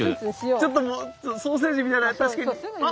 ちょっともうソーセージみたいな確かに。